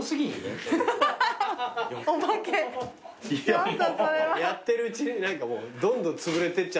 やってるうちに何かもうどんどんつぶれてっちゃって。